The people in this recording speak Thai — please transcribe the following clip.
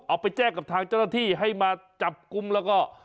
เอาไปแจ้งกับทางเจ้าหน้าที่ให้มาจับกลุ่มแล้วก็